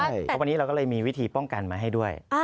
เพราะวันนี้เราก็เลยมีวิธีป้องกันมาให้ด้วย